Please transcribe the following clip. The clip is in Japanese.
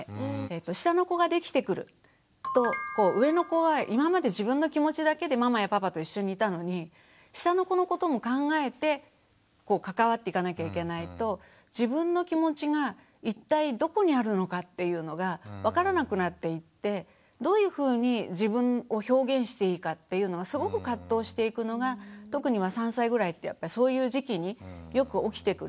下の子ができてくると上の子は今まで自分の気持ちだけでママやパパと一緒にいたのに下の子のことも考えて関わっていかなきゃいけないと自分の気持ちが一体どこにあるのかっていうのが分からなくなっていってどういうふうに自分を表現していいかっていうのがすごく葛藤していくのが特には３歳ぐらいってやっぱりそういう時期によく起きてくる。